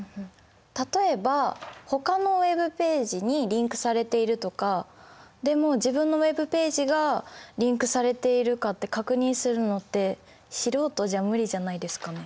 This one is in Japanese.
例えばほかのＷｅｂページにリンクされているとかでも自分のＷｅｂページがリンクされているかって確認するのって素人じゃ無理じゃないですかね？